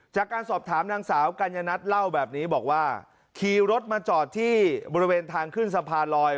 จากการสอบถามนางสาวกัญญนัทเล่าแบบนี้บอกว่าขี่รถมาจอดที่บริเวณทางขึ้นสะพานลอย